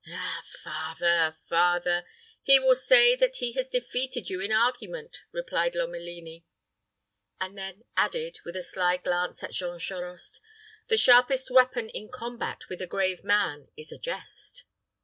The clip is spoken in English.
"Ah, father, father! He will say that he has defeated you in argument," replied Lomelini; and then added, with a sly glance at Jean Charost, "the sharpest weapon in combat with a grave man is a jest."